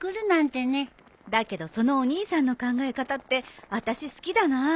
だけどそのお兄さんの考え方ってあたし好きだなあ。